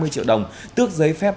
ba mươi triệu đồng tước giấy phép